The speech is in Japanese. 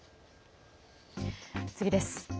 次です。